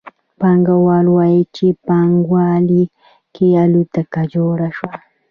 پانګوال وايي چې په پانګوالي کې الوتکه جوړه شوه